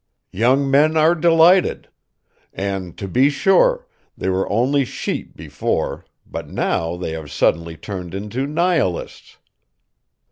Young men are delighted. And, to be sure, they were only sheep before, but now they have suddenly turned into Nihilists."